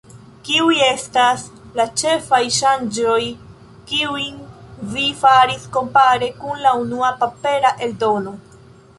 Kiuj estas la ĉefaj ŝanĝoj, kiujn vi faris kompare kun la unua papera eldono?